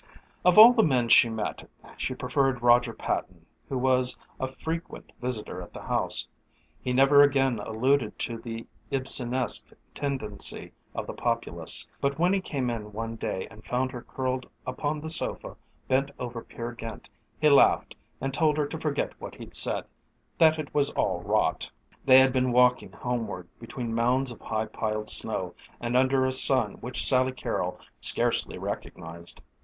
Of all the men she met she preferred Roger Patton, who was a frequent visitor at the house. He never again alluded to the Ibsenesque tendency of the populace, but when he came in one day and found her curled upon the sofa bent over "Peer Gynt" he laughed and told her to forget what he'd said that it was all rot. They had been walking homeward between mounds of high piled snow and under a sun which Sally Carrol scarcely recognized.